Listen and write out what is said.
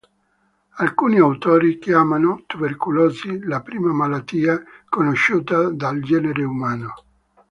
Alcuni autori chiamano tubercolosi la prima malattia conosciuta dal genere umano.